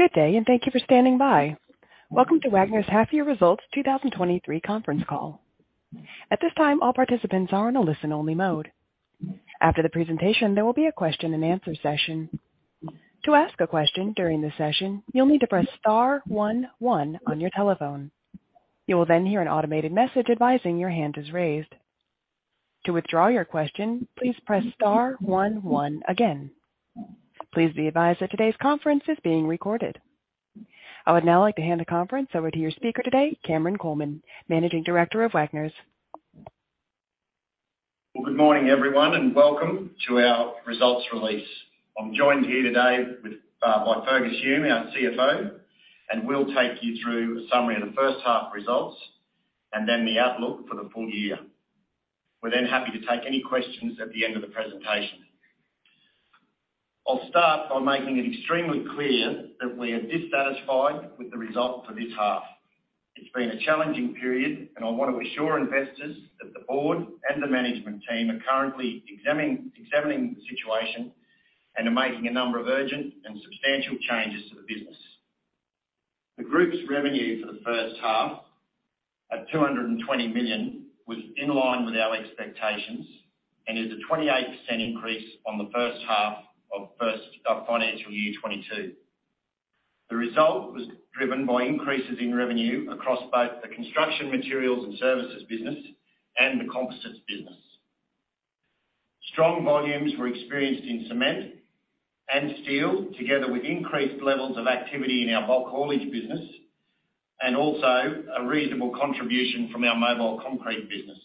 Good day, and thank you for standing by. Welcome to Wagners' half-year results 2023 conference call. At this time, all participants are in a listen-only mode. After the presentation, there will be a question-and-answer session. To ask a question during the session, you'll need to press star one one on your telephone. You will then hear an automated message advising your hand is raised. To withdraw your question, please press star one one again. Please be advised that today's conference is being recorded. I would now like to hand the conference over to your speaker today, Cameron Coleman, Managing Director of Wagners. Well, good morning, everyone, and welcome to our results release. I'm joined here today by Fergus Hume, our CFO, and we'll take you through a summary of the first half results and then the outlook for the full year. We're happy to take any questions at the end of the presentation. I'll start by making it extremely clear that we are dissatisfied with the result for this half. It's been a challenging period, and I wanna assure investors that the board and the management team are currently examining the situation and are making a number of urgent and substantial changes to the business. The group's revenue for the first half at 220 million was in line with our expectations and is a 28% increase on the first half of FY 2022. The result was driven by increases in revenue across both the construction materials and services business and the composites business. Strong volumes were experienced in cement and steel, together with increased levels of activity in our bulk haulage business, and also a reasonable contribution from our mobile concrete business.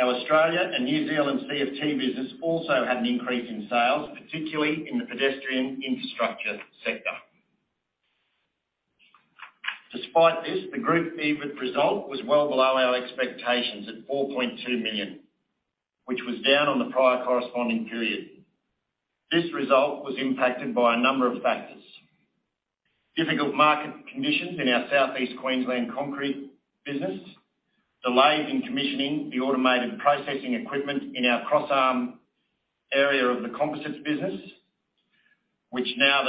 Our Australia and New Zealand CFT business also had an increase in sales, particularly in the pedestrian infrastructure sector. Despite this, the group EBIT result was well below our expectations at 4.2 million, which was down on the prior corresponding period. This result was impacted by a number of factors. Difficult market conditions in our Southeast Queensland concrete business, delays in commissioning the automated processing equipment in our cross-arm area of the composites business, which now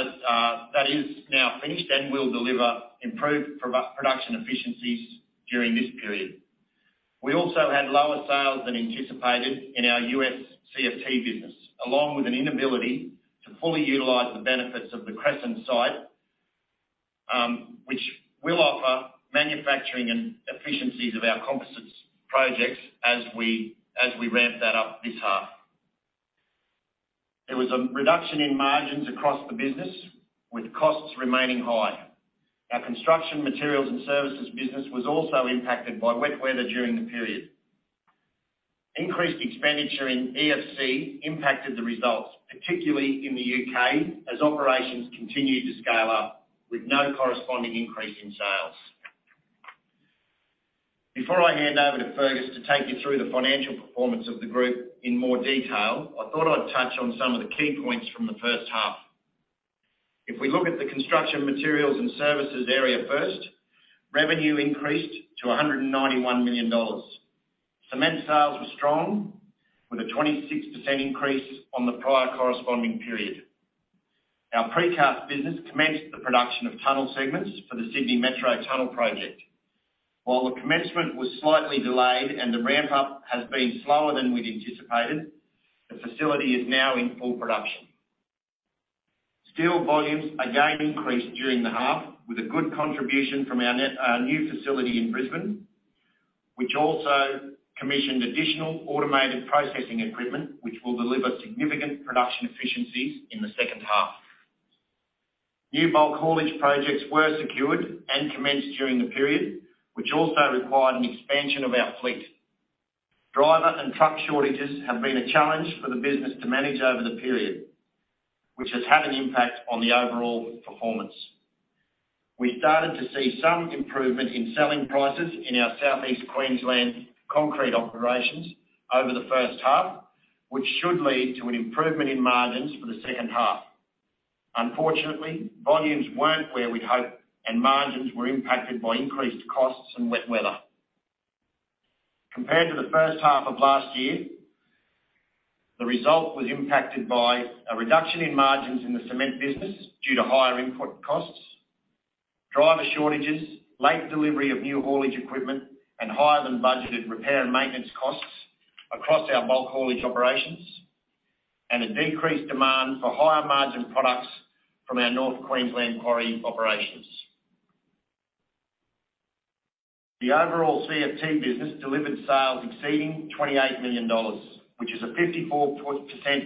that is now finished and will deliver improved production efficiencies during this period. We also had lower sales than anticipated in our U.S. CFT business, along with an inability to fully utilize the b`enefits of the Cresson site, which will offer manufacturing and efficiencies of our composites projects as we ramp that up this half. There was a reduction in margins across the business, with costs remaining high. Our construction materials and services business was also impacted by wet weather during the period. Increased expenditure in EFC impacted the results, particularly in the U.K., as operations continued to scale up with no corresponding increase in sales. Before I hand over to Fergus to take you through the financial performance of the group in more detail, I thought I'd touch on some of the key points from the first half. If we look at the construction materials and services area first, revenue increased to $191 million. Cement sales were strong with a 26% increase on the prior corresponding period. Our precast business commenced the production of tunnel segments for the Sydney Metro Tunnel Project. While the commencement was slightly delayed and the ramp-up has been slower than we'd anticipated, the facility is now in full production. Steel volumes again increased during the half, with a good contribution from our new facility in Brisbane, which also commissioned additional automated processing equipment which will deliver significant production efficiencies in the second half. New bulk haulage projects were secured and commenced during the period, which also required an expansion of our fleet. Driver and truck shortages have been a challenge for the business to manage over the period, which has had an impact on the overall performance. We started to see some improvement in selling prices in our South East Queensland concrete operations over the first half, which should lead to an improvement in margins for the second half. Unfortunately, volumes weren't where we'd hoped, and margins were impacted by increased costs and wet weather. Compared to the first half of last year, the result was impacted by a reduction in margins in the cement business due to higher input costs, driver shortages, late delivery of new haulage equipment, and higher-than-budgeted repair and maintenance costs across our bulk haulage operations, and a decreased demand for higher-margin products from our North Queensland quarry operations. The overall CFT business delivered sales exceeding 28 million dollars, which is a 54%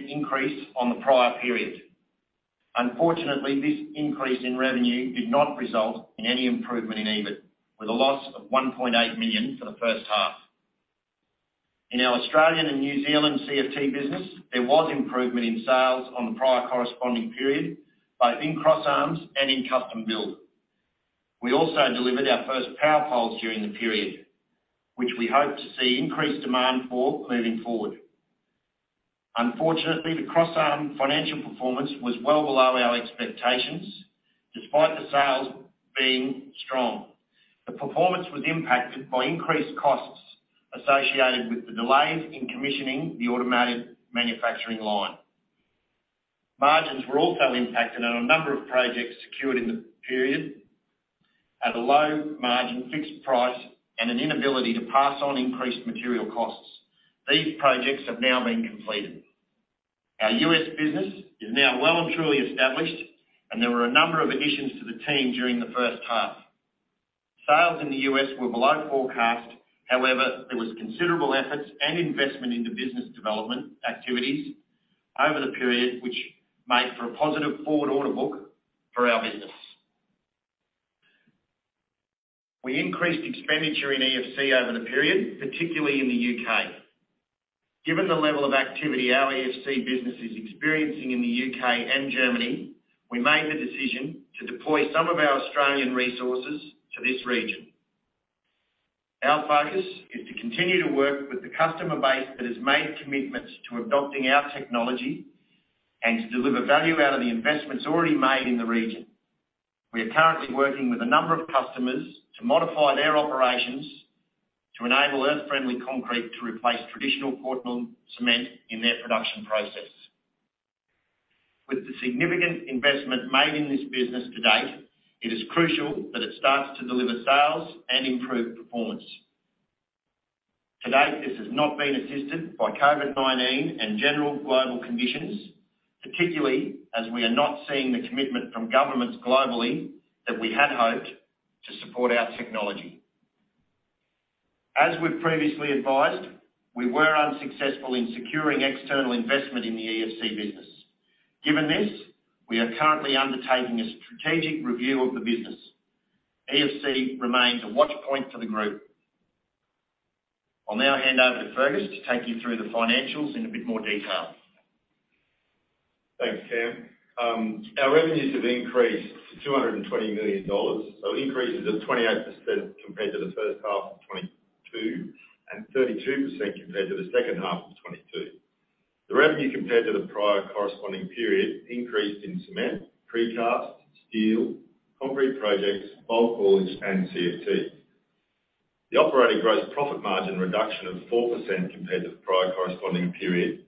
increase on the prior period. Unfortunately, this increase in revenue did not result in any improvement in EBIT, with a loss of 1.8 million for the first half. In our Australian and New Zealand CFT business, there was improvement in sales on the prior corresponding period, both in cross-arms and in custom build. We also delivered our first power poles during the period, which we hope to see increased demand for moving forward. Unfortunately, the cross-arm financial performance was well below our expectations, despite the sales being strong. The performance was impacted by increased costs associated with the delays in commissioning the automated manufacturing line. Margins were also impacted on a number of projects secured in the period at a low margin fixed price, and an inability to pass on increased material costs. These projects have now been completed. Our U.S. business is now well and truly established, and there were a number of additions to the team during the first half. Sales in the U.S. were below forecast. However, there was considerable efforts and investment into business development activities over the period, which make for a positive forward order book for our business. We increased expenditure in EFC over the period, particularly in the U.K. Given the level of activity our EFC business is experiencing in the U.K. and Germany, we made the decision to deploy some of our Australian resources to this region. Our focus is to continue to work with the customer base that has made commitments to adopting our technology and to deliver value out of the investments already made in the region. We are currently working with a number of customers to modify their operations to enable Earth Friendly Concrete to replace traditional Portland cement in their production process. With the significant investment made in this business to date, it is crucial that it starts to deliver sales and improve performance. To date, this has not been assisted by COVID-19 and general global conditions, particularly as we are not seeing the commitment from governments globally that we had hoped to support our technology. As we've previously advised, we were unsuccessful in securing external investment in the EFC business. Given this, we are currently undertaking a strategic review of the business. EFC remains a watch point for the group. I'll now hand over to Fergus to take you through the financials in a bit more detail. Thanks, Cam. Our revenues have increased to 220 million dollars, increases of 28% compared to the first half of 2022 and 32% compared to the second half of 2022. The revenue compared to the prior corresponding period increased in cement, precast, steel, concrete projects, bulk haulage, and CFT. The operating gross profit margin reduction of 4% compared to the prior corresponding period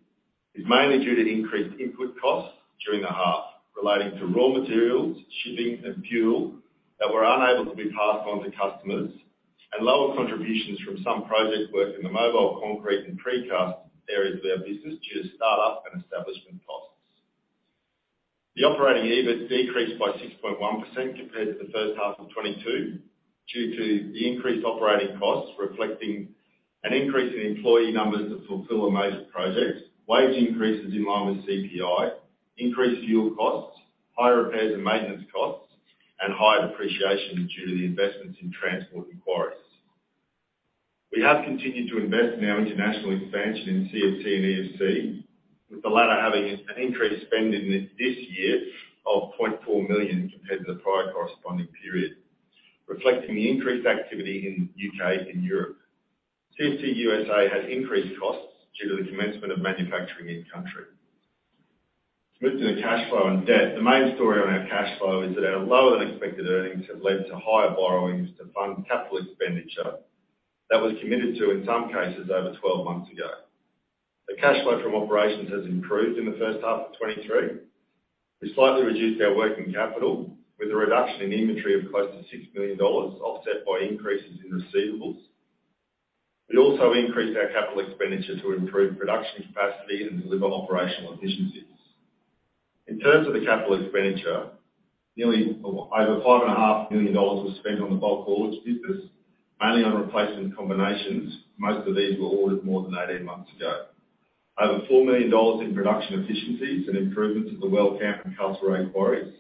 is mainly due to increased input costs during the half, relating to raw materials, shipping, and fuel that were unable to be passed on to customers, and lower contributions from some project work in the mobile concrete and precast areas of our business due to start-up and establishment costs. The operating EBIT decreased by 6.1% compared to the first half of 2022 due to the increased operating costs, reflecting an increase in employee numbers to fulfill major projects, wage increases in line with CPI, increased fuel costs, higher repairs and maintenance costs, and higher depreciation due to the investments in transport and quarries. We have continued to invest in our international expansion in CFT and EFC, with the latter having an increased spend in this year of 0.4 million compared to the prior corresponding period, reflecting the increased activity in U.K. and Europe. CFT U.S.A. has increased costs due to the commencement of manufacturing in-country. To move to the cash flow and debt, the main story on our cash flow is that our lower than expected earnings have led to higher borrowings to fund capital expenditure that was committed to, in some cases, over 12 months ago. The cash flow from operations has improved in the first half of 2023. We slightly reduced our working capital with a reduction in inventory of close to 6 million dollars, offset by increases in receivables. We also increased our capital expenditure to improve production capacity and deliver operational efficiencies. In terms of the capital expenditure, nearly over 5.5 million dollars was spent on the bulk haulage business, mainly on replacement combinations. Most of these were ordered more than 18 months ago. Over 4 million dollars in production efficiencies and improvements of the Wellcamp and Calcium quarries.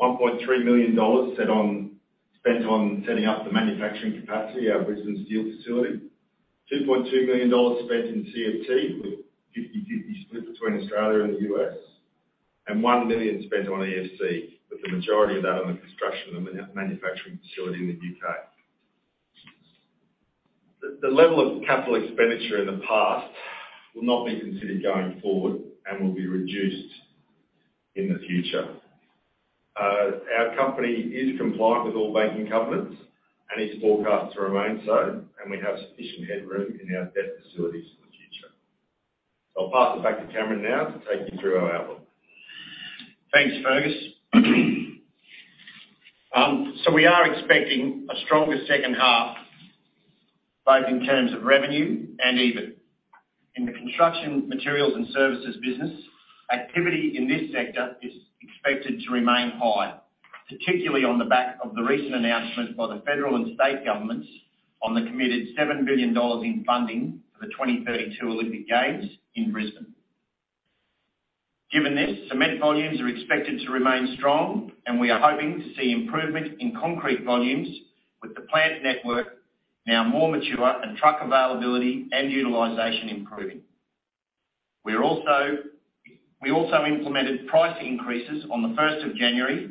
1.3 million dollars spent on setting up the manufacturing capacity at Brisbane Steel facility. 2.2 million dollars spent in CFT, with a 50/50 split between Australia and the U.S. 1 million spent on EFC, with the majority of that on the construction of the manufacturing facility in the U.K. The level of capital expenditure in the past will not be considered going forward and will be reduced in the future. Our company is compliant with all banking covenants and is forecast to remain so, and we have sufficient headroom in our debt facilities for the future. I'll pass it back to Cameron now to take you through our outlook. Thanks, Fergus. We are expecting a stronger second half, both in terms of revenue and EBIT. In the construction materials and services business, activity in this sector is expected to remain high, particularly on the back of the recent announcement by the federal and state governments on the committed 7 billion dollars in funding for the 2032 Olympic Games in Brisbane. Given this, cement volumes are expected to remain strong, and we are hoping to see improvement in concrete volumes with the plant network now more mature and truck availability and utilization improving. We also implemented price increases on the 1st of January,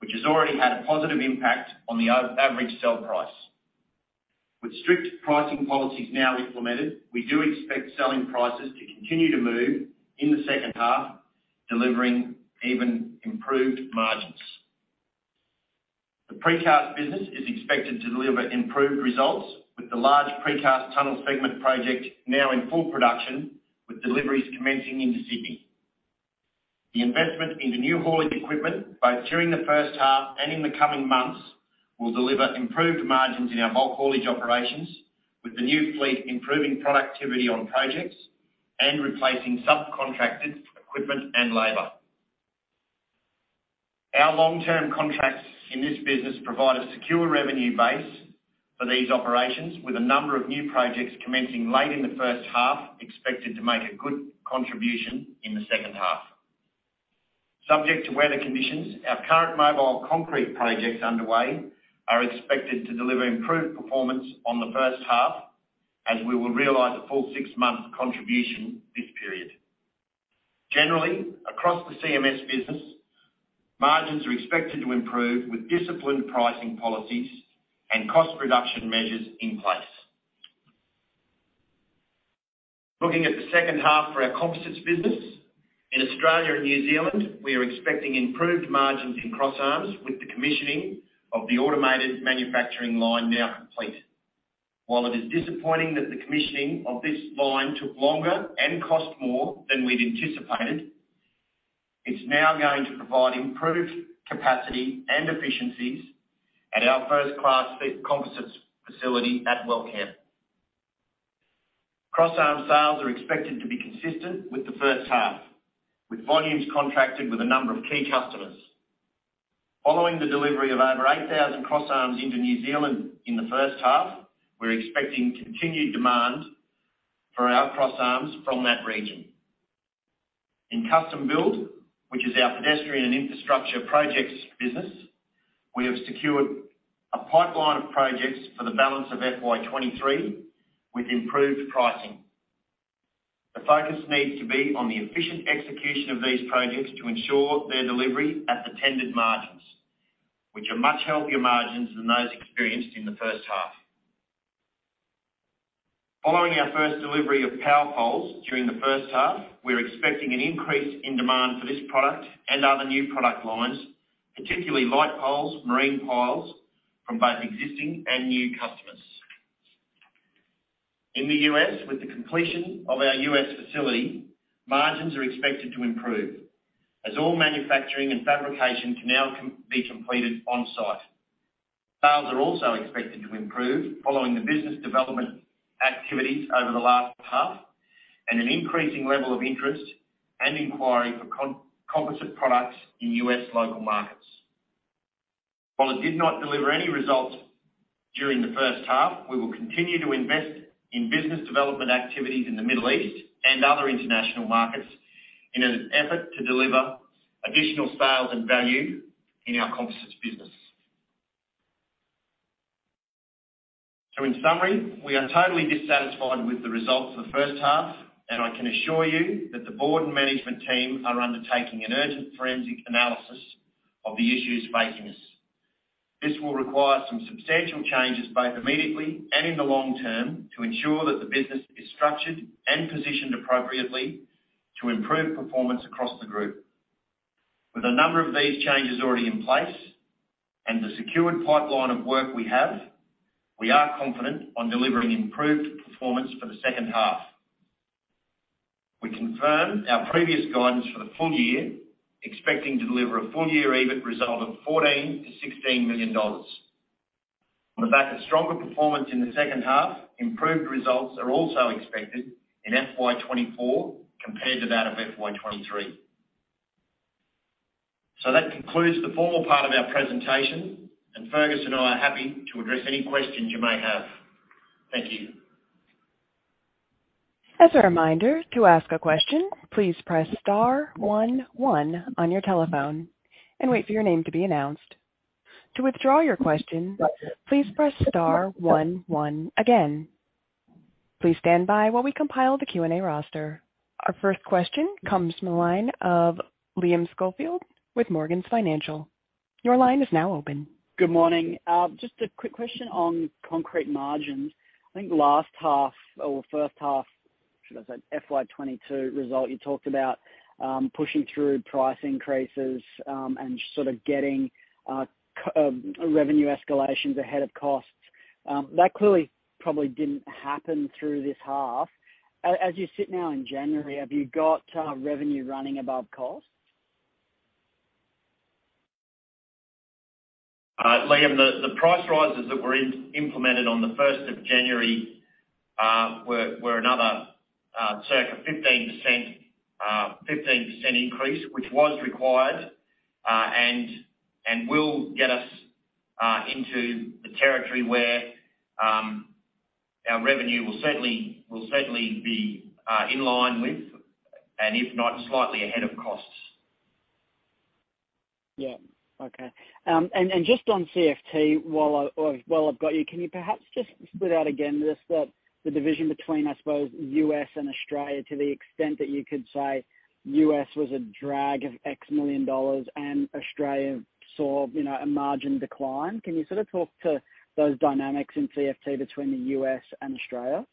which has already had a positive impact on the average sale price. With strict pricing policies now implemented, we do expect selling prices to continue to move in the second half, delivering even improved margins. The precast business is expected to deliver improved results with the large precast tunnel segment project now in full production, with deliveries commencing into Sydney. The investment in the new hauling equipment, both during the first half and in the coming months, will deliver improved margins in our bulk hauling operations, with the new fleet improving productivity on projects and replacing subcontracted equipment and labor. Our long-term contracts in this business provide a secure revenue base for these operations, with a number of new projects commencing late in the first half, expected to make a good contribution in the second half. Subject to weather conditions, our current mobile concrete projects underway are expected to deliver improved performance on the first half, as we will realize a full six-month contribution this period. Generally, across the CMS business, margins are expected to improve with disciplined pricing policies and cost reduction measures in place. Looking at the second half for our composites business, in Australia and New Zealand, we are expecting improved margins in crossarms with the commissioning of the automated manufacturing line now complete. While it is disappointing that the commissioning of this line took longer and cost more than we'd anticipated, it's now going to provide improved capacity and efficiencies at our first-class composites facility at Wellcamp. Crossarm sales are expected to be consistent with the first half, with volumes contracted with a number of key customers. Following the delivery of over 8,000 crossarms into New Zealand in the first half, we're expecting continued demand for our crossarms from that region. In custom build, which is our pedestrian and infrastructure projects business, we have secured a pipeline of projects for the balance of FY 2023 with improved pricing. The focus needs to be on the efficient execution of these projects to ensure their delivery at the tendered margins, which are much healthier margins than those experienced in the first half. Following our first delivery of power poles during the first half, we're expecting an increase in demand for this product and other new product lines, particularly light poles, marine piles, from both existing and new customers. In the U.S., with the completion of our U.S. facility, margins are expected to improve as all manufacturing and fabrication can now be completed on-site. Sales are also expected to improve following the business development activities over the last half and an increasing level of interest and inquiry for composite products in U.S. local markets. While it did not deliver any results during the first half, we will continue to invest in business development activities in the Middle East and other international markets in an effort to deliver additional sales and value in our composites business. In summary, we are totally dissatisfied with the results of the first half, and I can assure you that the board and management team are undertaking an urgent forensic analysis of the issues facing us. This will require some substantial changes, both immediately and in the long term, to ensure that the business is structured and positioned appropriately to improve performance across the group. With a number of these changes already in place and the secured pipeline of work we have, we are confident on delivering improved performance for the second half. We confirm our previous guidance for the full year, expecting to deliver a full-year EBIT result of 14 million-16 million dollars. On the back of stronger performance in the second half, improved results are also expected in FY 2024 compared to that of FY 2023. That concludes the formal part of our presentation, and Fergus and I are happy to address any questions you may have. Thank you. As a reminder, to ask a question, please press star one one on your telephone and wait for your name to be announced. To withdraw your question, please press star one one again. Please stand by while we compile the Q&A roster. Our first question comes from the line of Liam Schofield with Morgans Financial. Your line is now open. Good morning. Just a quick question on concrete margins. I think last half or first half, should I say, FY 2022 result, you talked about pushing through price increases, and sort of getting revenue escalations ahead of costs. That clearly probably didn't happen through this half. As you sit now in January, have you got revenue running above cost? Liam, the price rises that were implemented on the first of January were another circa 15%, 15% increase, which was required, and will get us into the territory where our revenue will certainly be in line with, and if not, slightly ahead of costs. Yeah. Okay. Just on CFT, while I've got you, can you perhaps just split out again just the division between, I suppose, U.S. and Australia to the extent that you could say U.S. was a drag of AUD X million and Australia saw, you know, a margin decline. Can you sort of talk to those dynamics in CFT between the U.S. and Australia?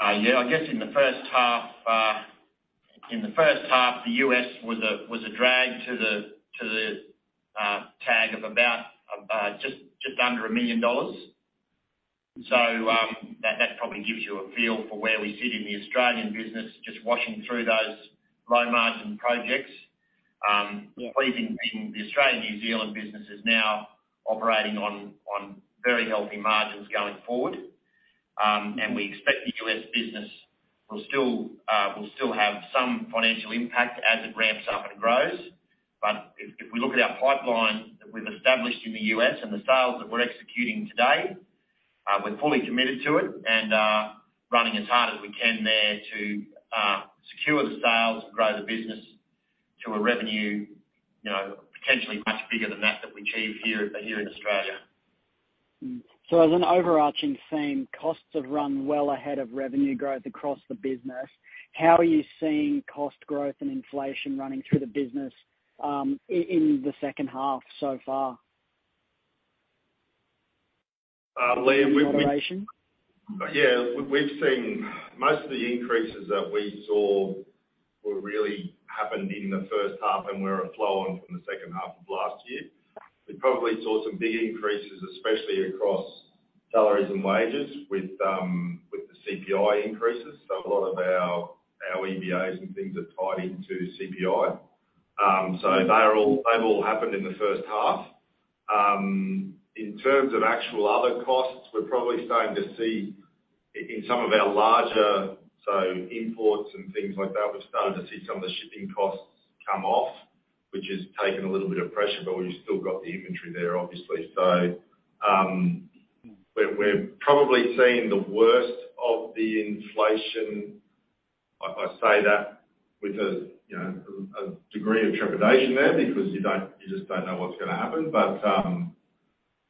Yeah, I guess in the first half, the U.S. was a drag to the tag of about just under 1 million dollars. That probably gives you a feel for where we sit in the Australian business, just washing through those low-margin projects. We think the Australian/New Zealand business is now operating on very healthy margins going forward. We expect the U.S. business will still have some financial impact as it ramps up and grows. If we look at our pipeline that we've established in the U.S. and the sales that we're executing today, we're fully committed to it and running as hard as we can there to secure the sales and grow the business to a revenue, you know, potentially much bigger than that we achieve here in Australia. As an overarching theme, costs have run well ahead of revenue growth across the business. How are you seeing cost growth and inflation running through the business, in the second half so far? Liam, we've. In moderation? Yeah, we've seen most of the increases that we saw were really happened in the first half and were a flow on from the second half of last year. We probably saw some big increases, especially across salaries and wages with the CPI increases. A lot of our EBAs and things are tied into CPI. They've all happened in the first half. In terms of actual other costs, we're probably starting to see in some of our larger, so imports and things like that, we're starting to see some of the shipping costs come off, which has taken a little bit of pressure, but we've still got the inventory there, obviously. We're probably seeing the worst of the inflation. I say that with a, you know, a degree of trepidation there because you just don't know what's gonna happen. You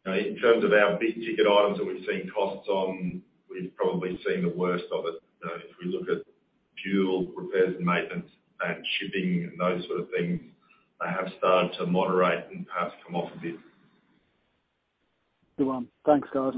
know, in terms of our big ticket items that we've seen costs on, we've probably seen the worst of it. You know, if we look at fuel, repairs and maintenance and shipping and those sort of things, they have started to moderate and perhaps come off a bit. Well, thanks, guys.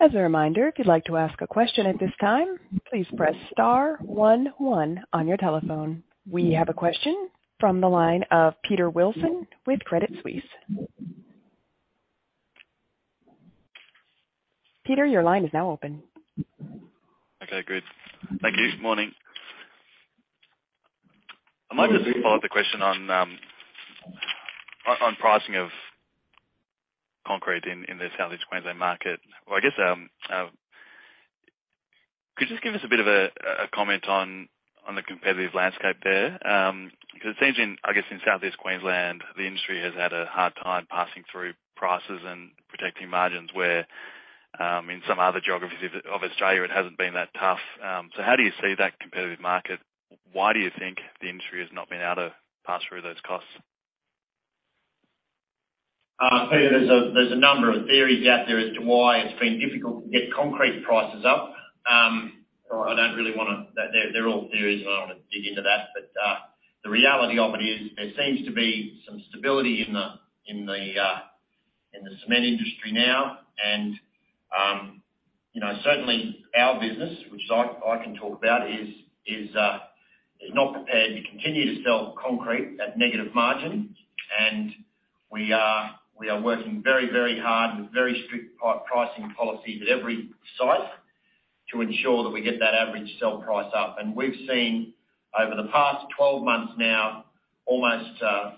As a reminder, if you'd like to ask a question at this time, please press star one one on your telephone. We have a question from the line of Peter Wilson with Credit Suisse. Peter, your line is now open. Okay, great. Thank you. Morning. I might just follow up the question on pricing of concrete in the South East Queensland market, or I guess, could you just give us a bit of a comment on the competitive landscape there? It seems in, I guess in Southeast Queensland, the industry has had a hard time passing through prices and protecting margins, where in some other geographies of Australia, it hasn't been that tough. How do you see that competitive market? Why do you think the industry has not been able to pass through those costs? Peter, there's a number of theories out there as to why it's been difficult to get concrete prices up. I don't really want to dig into that, but the reality of it is there seems to be some stability in the cement industry now. You know, certainly our business, which I can talk about, is not prepared to continue to sell concrete at negative margin. We are working very, very hard with very strict pricing policies at every site to ensure that we get that average sell price up. We've seen over the past 12 months now almost an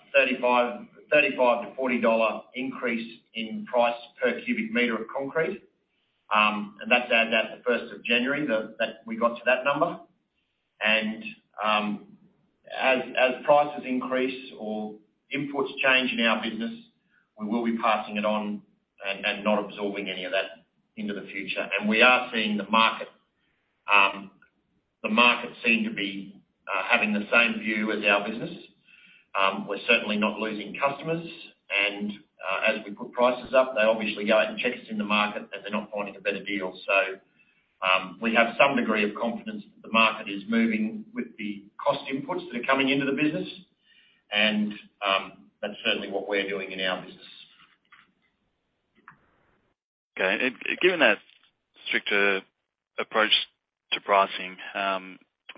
35-40 dollar increase in price per cubic meter of concrete. That's as at the first of January that we got to that number. As prices increase or inputs change in our business, we will be passing it on and not absorbing any of that into the future. We are seeing the market, the market seem to be having the same view as our business. We're certainly not losing customers, and as we put prices up, they obviously go out and check us in the market, and they're not finding a better deal. We have some degree of confidence that the market is moving with the cost inputs that are coming into the business and that's certainly what we're doing in our business. Okay. Given that stricter approach to pricing, I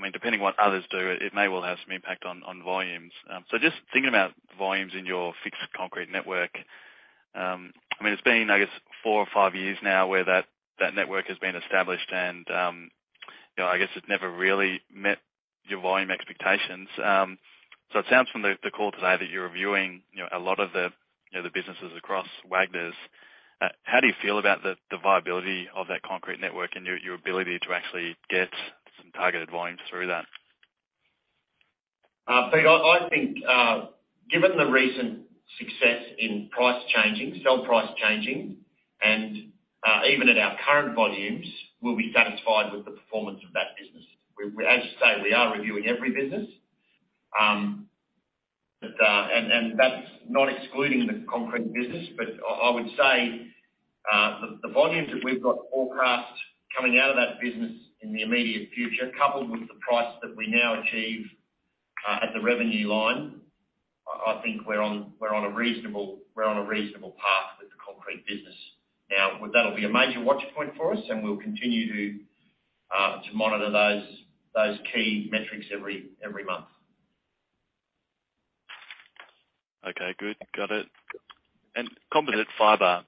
mean, depending what others do, it may well have some impact on volumes. Just thinking about volumes in your fixed concrete network, I mean, it's been, I guess four or five years now where that network has been established and, you know, I guess it's never really met your volume expectations. It sounds from the call today that you're reviewing, you know, a lot of the, you know, the businesses across Wagners. How do you feel about the viability of that concrete network and your ability to actually get some targeted volumes through that? Peter, I think, given the recent success in price changing, sell price changing and even at our current volumes, we'll be satisfied with the performance of that business. As you say, we are reviewing every business, but that's not excluding the concrete business. I would say the volumes that we've got forecast coming out of that business in the immediate future, coupled with the price that we now achieve at the revenue line. I think we're on a reasonable path with the concrete business. Now, that'll be a major watch point for us, and we'll continue to monitor those key metrics every month. Okay, good. Got it. Composite fiber,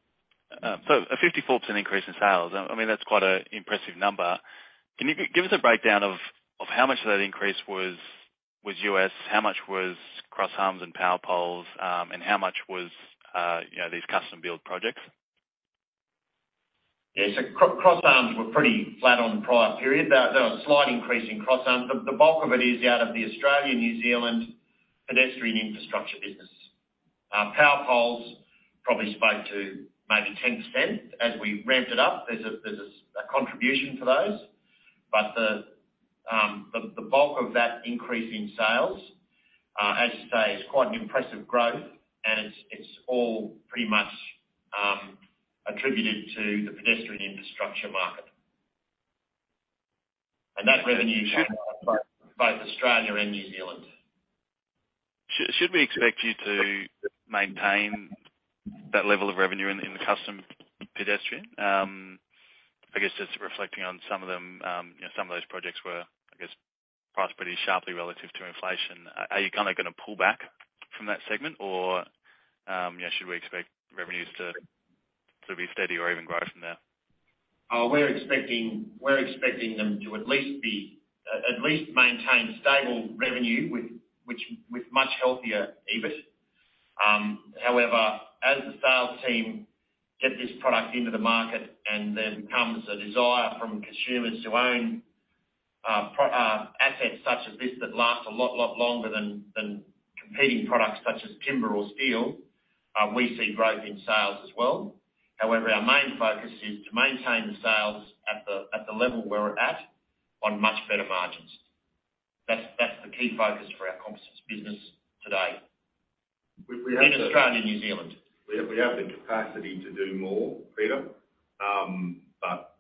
so a 54% increase in sales. I mean, that's quite an impressive number. Can you give us a breakdown of how much of that increase was U.S.? How much was crossarms and power poles? How much was, you know, these custom-build projects? Yeah. Crossarms were pretty flat on the prior period. There was a slight increase in crossarms, but the bulk of it is out of the Australia-New Zealand pedestrian infrastructure business. Power poles probably spoke to maybe 10%. As we ramp it up, there's a contribution to those. The bulk of that increase in sales, as you say, is quite an impressive growth, and it's all pretty much attributed to the pedestrian infrastructure market. That revenue should both Australia and New Zealand. Should we expect you to maintain that level of revenue in the custom pedestrian? I guess just reflecting on some of them, you know, some of those projects were, I guess, priced pretty sharply relative to inflation. Are you kinda gonna pull back from that segment or, yeah, should we expect revenues to be steady or even grow from there? We're expecting them to at least maintain stable revenue with much healthier EBIT. However, as the sales team get this product into the market and there becomes a desire from consumers to own assets such as this that last a lot longer than competing products such as timber or steel, we see growth in sales as well. However, our main focus is to maintain the sales at the level we're at, on much better margins. That's the key focus for our composites business today in Australia and New Zealand. We have the capacity to do more, Peter.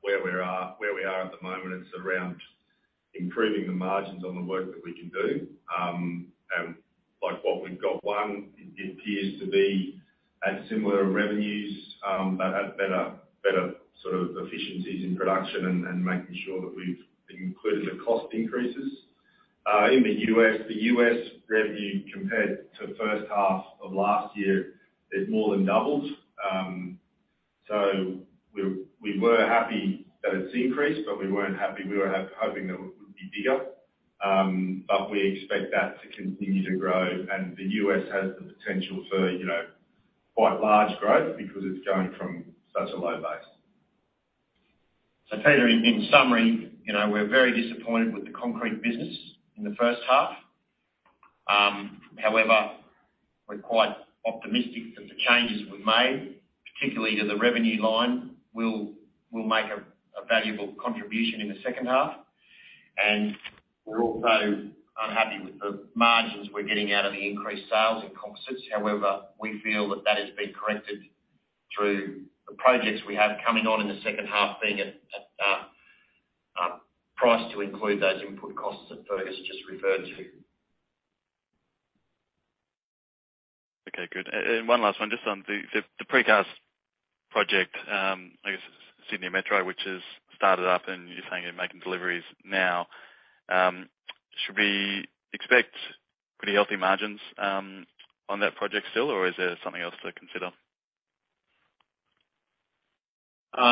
Where we are at the moment, it's around improving the margins on the work that we can do. Like what we've got, one, it appears to be at similar revenues, but at better sort of efficiencies in production and making sure that we've included the cost increases. In the U.S., the U.S. revenue compared to first half of last year, it more than doubled. We were happy that it's increased, but we weren't happy. We were hoping that it would be bigger. We expect that to continue to grow, and the U.S. has the potential for, you know, quite large growth because it's going from such a low base. Peter, in summary, you know, we're very disappointed with the concrete business in the first half. However, we're quite optimistic that the changes we've made, particularly to the revenue line, will make a valuable contribution in the second half. We're also unhappy with the margins we're getting out of the increased sales in composites. However, we feel that that is being corrected through the projects we have coming on in the second half, being at priced to include those input costs that Fergus just referred to. Okay, good. One last one, just on the, the precast project, I guess Sydney Metro, which has started up and you're saying you're making deliveries now. Should we expect pretty healthy margins on that project still, or is there something else to consider?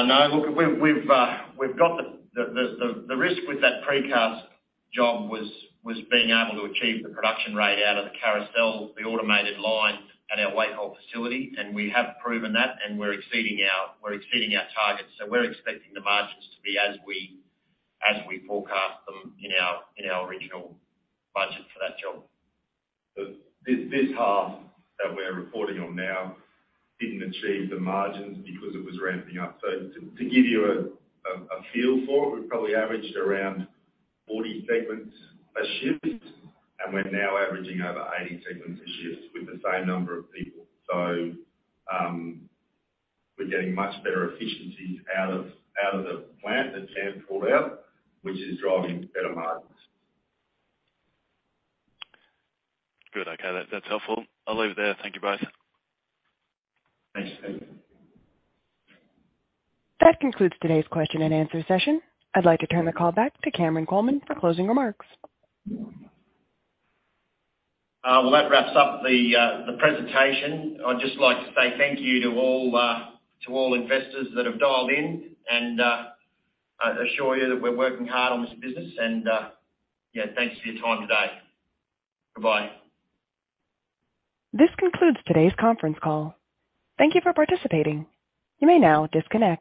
No. Look, we've got the risk with that precast job was being able to achieve the production rate out of the carousel, the automated line at our Wacol facility, and we have proven that, and we're exceeding our targets. We're expecting the margins to be as we forecast them in our original budget for that job. This half that we're reporting on now didn't achieve the margins because it was ramping up. To give you a feel for it, we probably averaged around 40 segments a shift, and we're now averaging over 80 segments a shift with the same number of people. We're getting much better efficiencies out of the plant that Cam pulled out, which is driving better margins. Good. Okay. That's helpful. I'll leave it there. Thank you both. Thanks. Thanks. That concludes today's question-and-answer session. I'd like to turn the call back to Cameron Coleman for closing remarks. Well, that wraps up the presentation. I'd just like to say thank you to all investors that have dialed in and assure you that we're working hard on this business, and yeah, thanks for your time today. Bye-bye. This concludes today's conference call. Thank you for participating. You may now disconnect.